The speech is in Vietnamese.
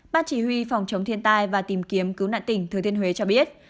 ban chỉ huy phòng chống thiên tai và tìm kiếm cứu nạn tỉnh thừa thiên huế cho biết